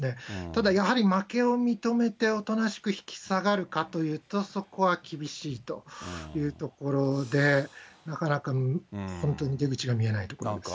ただやはり負けを認めておとなしく引き下がるかというと、そこは厳しいというところで、なかなか本当に出口が見えないところです。